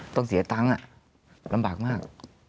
ต้องเสียตังค์ลำบากมาก